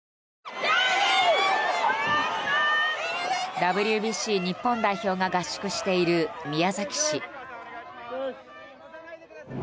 ＷＢＣ日本代表が合宿している宮崎市。